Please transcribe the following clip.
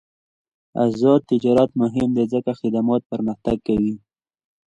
آزاد تجارت مهم دی ځکه چې خدمات پرمختګ کوي.